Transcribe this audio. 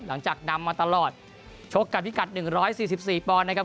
หลังจากนำมาตลอดชกกับพิกัด๑๔๔ปอนด์นะครับ